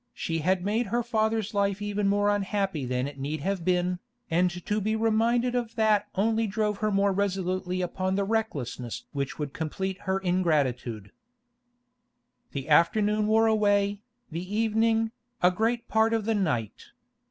She had made her father's life even more unhappy than it need have been, and to be reminded of that only drove her more resolutely upon the recklessness which would complete her ingratitude. The afternoon wore away, the evening, a great part of the night.